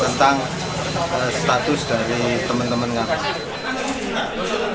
tentang status dari teman teman kami